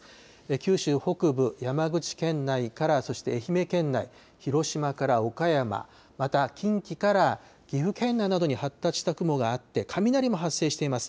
九州北部、山口県内からそして愛媛県内、広島から岡山、また近畿から岐阜県内などに発達した雲があって、雷も発生しています。